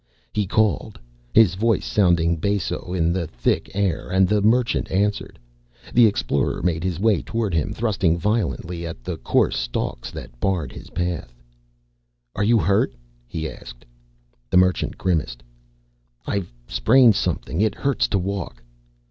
He called, his voice sounding basso in the thick air and the Merchant answered. The Explorer made his way toward him, thrusting violently at the coarse stalks that barred his path. "Are you hurt?" he asked. The Merchant grimaced. "I've sprained something. It hurts to walk."